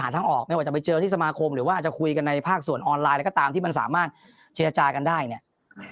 ทางออกไม่ว่าจะไปเจอที่สมาคมหรือว่าจะคุยกันในภาคส่วนออนไลน์อะไรก็ตามที่มันสามารถเจรจากันได้เนี่ย